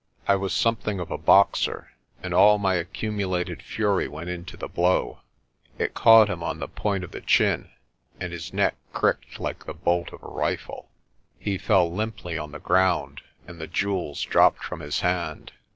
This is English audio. I was something of a boxer, and all my accumulated fury went into the blow. It caught him on the point of the chin, and his neck cricked like the bolt of a rifle. He fell limply on the ground and the jewels dropped from his hand.